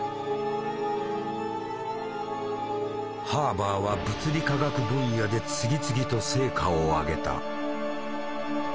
ハーバーは物理化学分野で次々と成果を上げた。